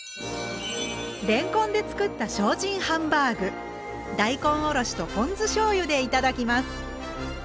れんこんで作った精進ハンバーグ大根おろしとポン酢しょうゆで頂きます。